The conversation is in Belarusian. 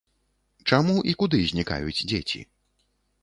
Чаму і куды знікаюць дзеці?